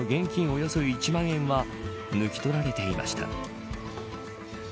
およそ１万円は抜き取られていました。